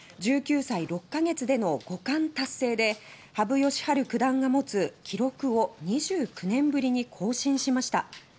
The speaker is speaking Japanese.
１９歳６か月での五冠達成で羽生善治九段が持つ記録を２９年ぶりに更新しました。